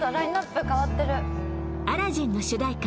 「アラジン」の主題歌